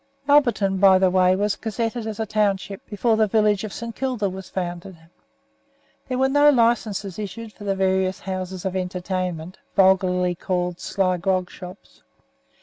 Alberton, by the way, was gazetted as a township before the "village" of St. Kilda was founded. There were no licenses issued for the various houses of entertainment, vulgarly called "sly grog shops."